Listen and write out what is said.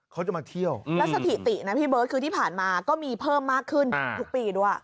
เขาจะมาเที่ยวแล้วสถิตินะพี่เบิร์ตคือที่ผ่านมาก็มีเพิ่มมากขึ้นทุกปีด้วย